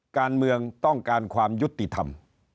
การเมืองต้องการความยุติธรรม